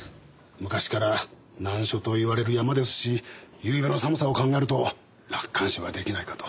昔から難所と言われる山ですしゆうべの寒さを考えると楽観視は出来ないかと。